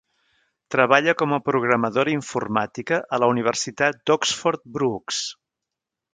Treballa com a programadora informàtica a la Universitat d'Oxford Brookes.